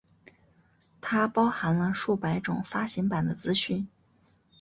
它包含了数百种发行版的资讯。